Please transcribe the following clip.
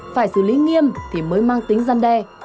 phải xử lý nghiêm thì mới mang tính gian đe